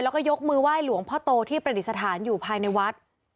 แล้วก็ยกมือไหว้หลวงพ่อโตที่ประดิษฐานอยู่ภายในวัด